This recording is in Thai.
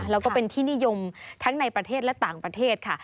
แล้วก็เป็นที่นิยมทั้งในประเทศและต่างประเทศค่ะ